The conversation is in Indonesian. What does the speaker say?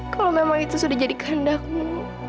kalau memang itu sudah jadi kehendakmu